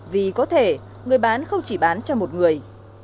vì có thể người bán không chỉ bán cho một người